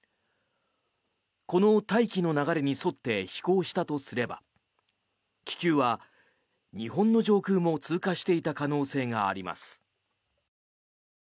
この大気の流れに沿って飛行したとすれば気球は日本の上空も通過していた可能性があります。